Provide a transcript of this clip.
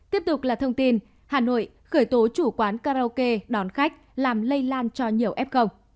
tiếp tục là thông tin hà nội khởi tố chủ quán karaoke đón khách làm lây lan cho nhiều f